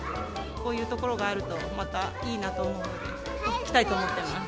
こういう所があるとまたいいなと思うので、来たいと思ってます。